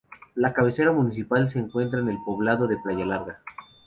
La cabecera municipal se encuentra en el poblado de Playa Larga.